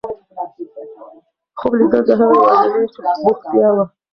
خوب لیدل د هغې یوازینۍ بوختیا وه.